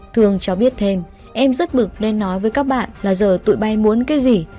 thường cho biết thêm em rất bực nên nói với các bạn là giờ tụi bay muốn cái gì